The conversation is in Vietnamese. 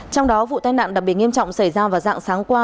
trong đó vụ tai nạn đặc biệt nghiêm trọng xảy ra vào dạng sáng qua